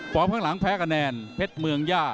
ข้างหลังแพ้คะแนนเพชรเมืองย่า